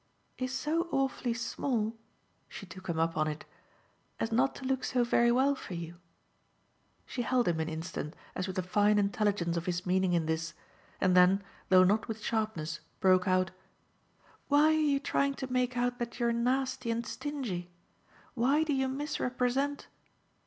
"Is so awfully small" she took him up on it "as not to look so very well for you?" She held him an instant as with the fine intelligence of his meaning in this, and then, though not with sharpness, broke out: "Why are you trying to make out that you're nasty and stingy? Why do you misrepresent